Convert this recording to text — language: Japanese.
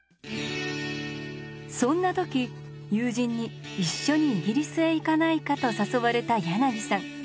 そんな時友人に一緒にイギリスへ行かないかと誘われた柳さん。